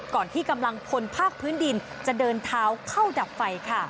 ก่อนที่กำลังพลภาคพื้นดินจะเดินเท้าเข้าดับไฟค่ะ